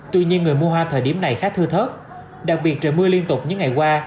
tuy nhiên người mua hoa thời điểm này khá thưa thớt đặc biệt trời mưa liên tục những ngày qua